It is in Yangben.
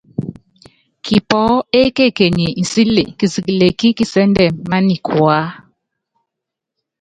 Kipɔɔ́ ékekenyi nsíli kisikili ekí kisɛ́ndɛ́ mányikuá.